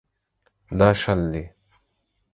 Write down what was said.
دا شل دي.